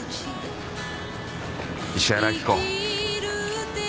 石原明子。